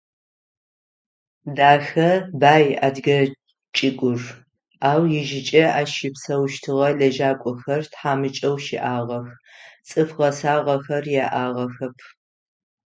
Дахэ, бай адыгэ чӏыгур, ау ижъыкӏэ ащ щыпсэущтыгъэ лэжьакӏохэр тхьамыкӏэу щыӏагъэх, цӏыф гъэсагъэхэр яӏагъэхэп.